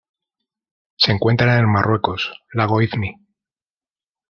Se encuentra en el Marruecos: lago Ifni.